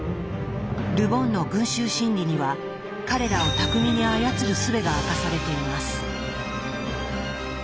ル・ボンの「群衆心理」には彼らを巧みに操る術が明かされています。